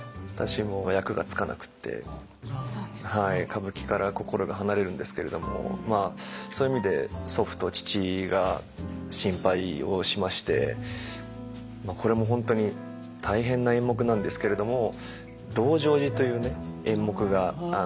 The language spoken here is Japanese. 歌舞伎から心が離れるんですけれどもそういう意味で祖父と父が心配をしましてこれも本当に大変な演目なんですけれども「道成寺」というね演目が。